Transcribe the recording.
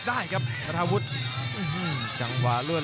กำปั้นขวาสายวัดระยะไปเรื่อย